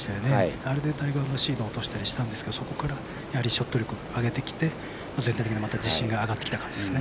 あれで、かなりシードを落としたりしたんですがそこからショット力上げたりして全体的な自信が上がってきた感じですね。